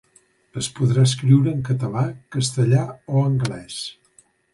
Es podrà escriure en català, castellà o anglès.